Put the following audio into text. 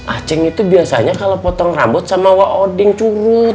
acing itu biasanya kalau potong rambut sama waoding curut